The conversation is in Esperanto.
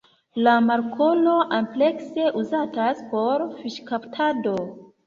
La markolo amplekse uzatas por fiŝkaptado.